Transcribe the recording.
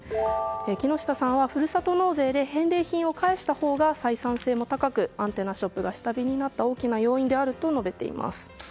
木下さんは、ふるさと納税で返礼品を返したほうが採算性も高くアンテナショップが下火になった大きな要因になったと述べています。